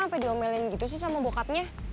sampai diomelin gitu sih sama bokatnya